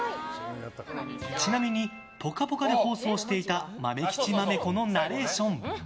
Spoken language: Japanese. ちなみに「ぽかぽか」で放送していた「まめきちまめこ」のナレーション。